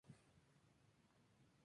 Se jubiló en Wrexham.